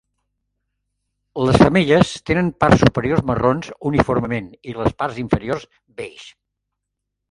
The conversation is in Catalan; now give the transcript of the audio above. Les femelles tenen parts superiors marrons uniformement i les parts inferiors beix.